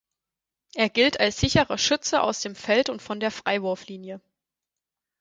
Er gilt als sicherer Schütze aus dem Feld und von der Freiwurflinie.